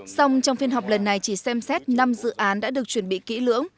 xong trong phiên họp lần này chỉ xem xét năm dự án đã được chuẩn bị kỹ lưỡng